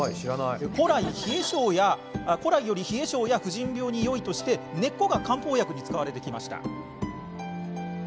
古来より冷え性や婦人病によいとして根っこが漢方薬に使われてきました。